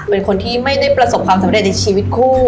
เป็นคนที่ไม่ได้ประสบความสำเร็จในชีวิตคู่